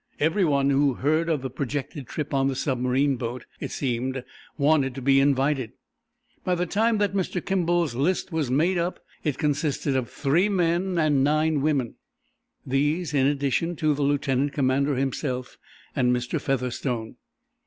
Every one who heard of the projected trip on the submarine boat, it seemed, wanted to be invited. By the time that Mr. Kimball's list was made up it consisted of three men and nine women, these in addition to the lieutenant commander himself and Mr Featherstone.